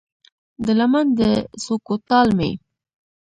د لمن د څوکو ټال مې